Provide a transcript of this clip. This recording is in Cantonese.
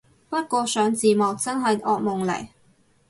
不過上字幕真係惡夢嚟